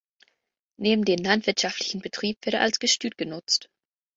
Neben dem landwirtschaftlichen Betrieb wird er als Gestüt genutzt.